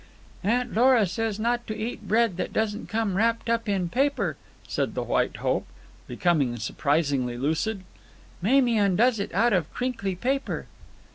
"Aunty Lora says not to eat bread that doesn't come wrapped up in paper," said the White Hope, becoming surprisingly lucid. "Mamie undoes it out of crinkly paper."